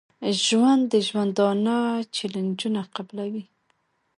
ژوندي د ژوندانه چیلنجونه قبلوي